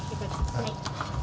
はい。